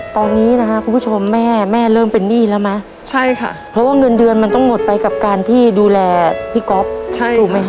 ตอนนี้นะคะคุณผู้ชมแม่แม่เริ่มเป็นหนี้แล้วไหมใช่ค่ะเพราะว่าเงินเดือนมันต้องหมดไปกับการที่ดูแลพี่ก๊อฟถูกไหมคะ